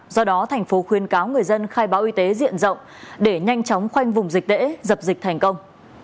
do đó thành phố khuyên cáo người dân khai báo y tế diện rộng để nhanh chóng khoanh vùng dịch tễ dập dịch thành công